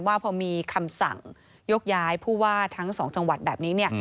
ว่าพอมีคำสั่งยกย้ายผู้ว่าทั้งสองจังหวัดแบบนี้เนี่ย